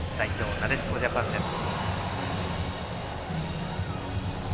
なでしこジャパンです。